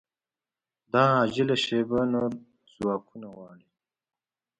دا عاجله شېبه نور ځواکونه غواړي